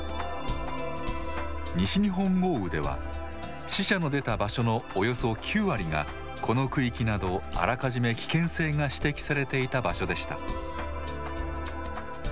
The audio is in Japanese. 西日本豪雨では死者の出た場所のおよそ９割がこの区域などあらかじめ危険性が指摘されていた場所でした。